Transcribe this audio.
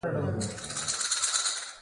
د بلوشفټ نږدې شیان ښيي.